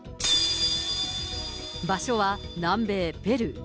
場所は南米ペルー。